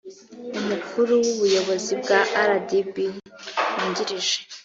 umukuru w ubuyobozi bwa rdb wungirije